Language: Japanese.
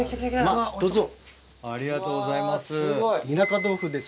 ありがとうございます。